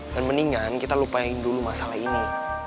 mendingan kita lupain dulu masalah ini